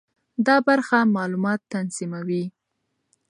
دا برخه معلومات تنظیموي.